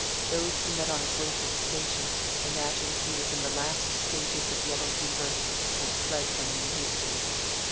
Those he met on his way to the station imagined he was in the last stages of yellow fever, and fled from him hastily.